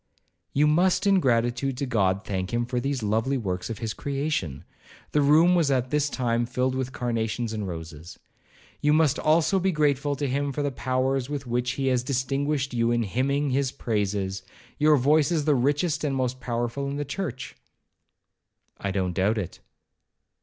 'You must, in gratitude to God, thank him for these lovely works of his creation;'—the room was at this time filled with carnations and roses;—'you must also be grateful to him for the powers with which he has distinguished you in hymning his praises—your voice is the richest and most powerful in the church.' 'I don't doubt it.'